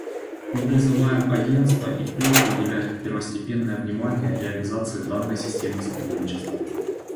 Мы призываем Агентство и впредь уделять первостепенное внимание реализации данной системы сотрудничества.